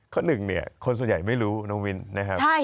หนึ่งเนี่ยคนส่วนใหญ่ไม่รู้น้องมิ้นนะครับ